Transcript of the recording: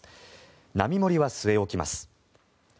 並盛は据え置きます。